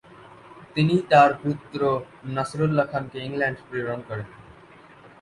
তিনি তার পুত্র নাসরুল্লাহ খানকে ইংল্যান্ড প্রেরণ করেন।